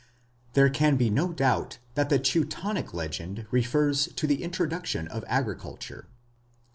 There can be no doubt but that the Teutonic legend refers to the introduction of agriculture.